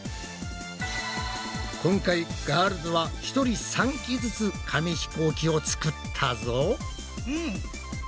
今回ガールズは１人３機ずつ紙ひこうきを作ったぞ。